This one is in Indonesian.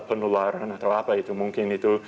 penularan atau apa itu mungkin itu